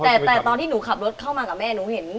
แต่จนตอนที่หนูขับรถเข้ามากับแม่